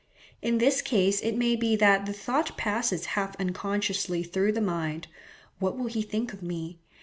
In this case it may be that the thought passes half unconsciously through the mind, "What will he think of me?"